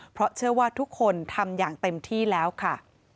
เพราะเชื่อว่าทุกคนทำอย่างเต็มที่แล้วค่ะ